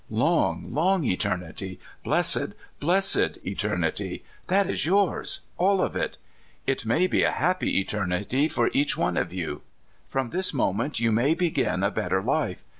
Long, long eternity! Blessed, blessed eternity! That is yours — all of it. It may be a happy eter nity for each one of you. From this moment you may begin a better life.